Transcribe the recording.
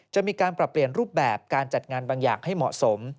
จะมีการปรับเปลี่ยนรูปแบบการจัดงานบางอย่างให้เหมาะสม